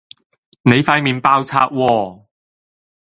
你塊面爆冊喎